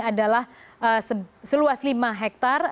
adalah seluas lima hektar